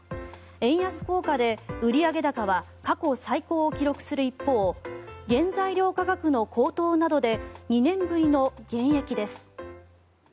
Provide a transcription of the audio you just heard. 円安効果で売上高は過去最高を記録する一方原材料価格の高騰などで２年ぶりの減益です。